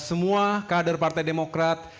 semua kader partai demokrat